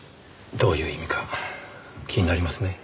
どういう意味か気になりますね。